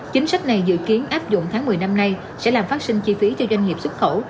chính sách này dự kiến áp dụng tháng một mươi năm nay sẽ làm phát sinh chi phí cho doanh nghiệp xuất khẩu